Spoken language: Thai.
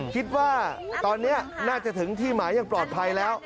คิดว่าตอนนี้น่าจะถึงที่หมายอย่างปลอดภัยแล้ว